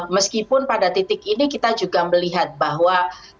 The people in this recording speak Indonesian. meskipun pada titik ini kita juga melihat bahwa